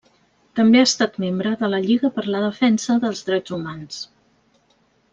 També ha estat membre de la Lliga per a la Defensa dels Drets Humans.